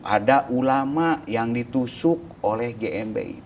ada ulama yang ditusuk oleh gmi